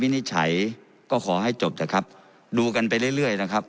นิจฉัยก็ขอให้จบเถอะครับดูกันไปเรื่อยเรื่อยนะครับ